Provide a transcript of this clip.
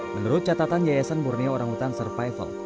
menurut catatan yayasan murnia orangutan survival